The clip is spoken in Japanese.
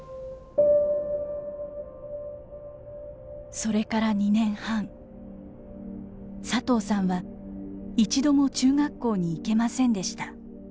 それから２年半佐藤さんは一度も中学校に行けませんでした。